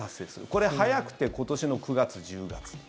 これ、早くて今年の９月、１０月。